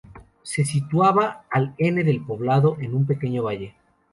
Se situaba al N del poblado, en un pequeño valle.